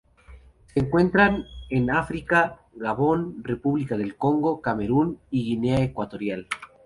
Se encuentran en África: Gabón, República del Congo, Camerún y Guinea Ecuatorial.